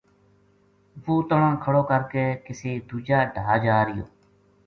وہ تنا کھڑو کر کے کسے دوجا ڈھا جا رہیو